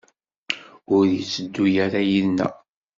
Ur yetteddu ara yid-neɣ?